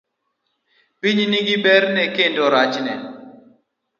Piny nigi berne kendo rachne.